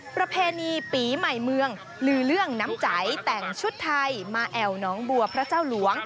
ประเพณีปีใหม่เมืองลือเรื่องน้ำใจแต่งชุดไทยมาแอวน้องบัวพระเจ้าหลวง